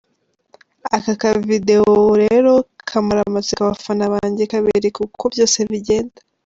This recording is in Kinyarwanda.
Aka kavidewo rero karamara amatsiko abafana banjye , karabereka uko byose bigenda.